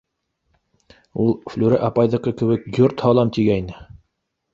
Ул Флүрә апайҙыҡы кеүек йорт һалам тигәйне.